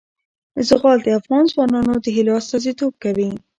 زغال د افغان ځوانانو د هیلو استازیتوب کوي.